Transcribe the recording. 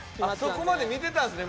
そこまで見てたんですね。